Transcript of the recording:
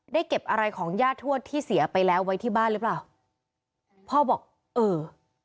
เก็บอะไรของย่าทวดที่เสียไปแล้วไว้ที่บ้านหรือเปล่าพ่อบอกเออ